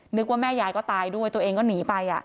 นึกว่าแม่ยายก็ตายด้วยตัวเองก็หนีไป